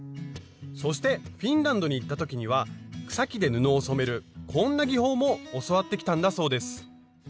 そしてフィンランドに行った時には草木で布を染めるこんな技法も教わってきたんだそうです。